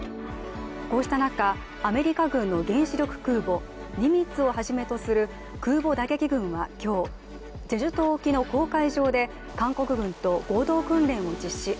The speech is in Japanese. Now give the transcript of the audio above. こうした中、アメリカ軍の原子力空母「ニミッツ」をはじめとする空母打撃群は今日、チェジュ島沖の公海上で韓国軍と合同訓練を実施。